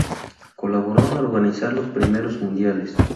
Colaboró a organizar los primeros mundiales.